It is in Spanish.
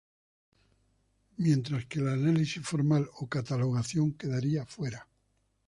Mientras que el análisis formal o catalogación, quedaría fuera.